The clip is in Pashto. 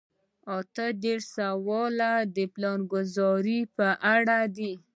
اته دېرشم سوال د پلانګذارۍ په اړه دی.